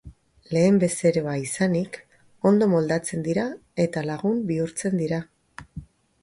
Lehen bezeroa izanik, ondo moldatzen dira eta lagun bihurtzen dira.